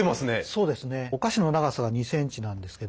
そうですね。え？